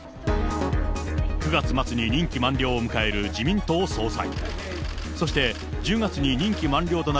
９月末に任期満了を迎える自民党総裁。